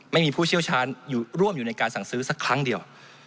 ผู้เชี่ยวชาญร่วมอยู่ในการสั่งซื้อสักครั้งเดียว